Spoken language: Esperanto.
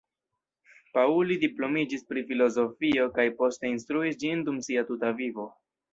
Pauli diplomiĝis pri filozofio kaj poste instruis ĝin dum sia tuta vivo.